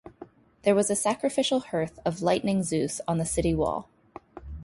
There was a sacrificial hearth of Lightning Zeus on the city wall.